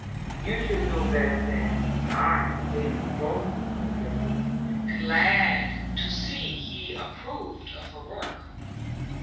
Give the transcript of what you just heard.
"You should know better than I, being a florist," said Christie, glad to see he approved of her work.